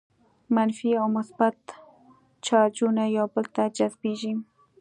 منفي او مثبت چارجونه یو بل ته جذبیږي.